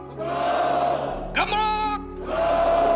頑張ろう！